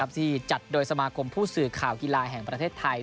ที่จัดโดยสมาคมผู้สื่อข่าวกีฬาแห่งประเทศไทย